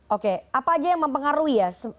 oke apa aja yang mempengaruhi ya